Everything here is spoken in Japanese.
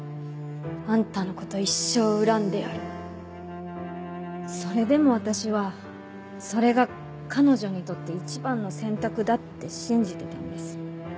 あんたのこと一生恨んでやるそれでも私はそれが彼女にとって一番の選択だって信じてたんです。